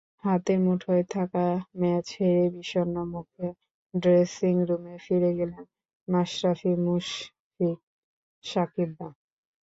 হাতের মুঠোয় থাকা ম্যাচ হেরে বিষণ্ন মুখে ড্রেসিংরুমে ফিরে গেলেন মাশরাফি-মুশফিক-সাকিবরা।